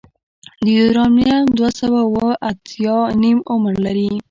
د یورانیم دوه سوه اوومه اتیا نیم عمر لري.